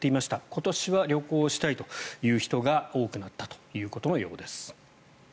今年は旅行したいという人が多くなったということのようです。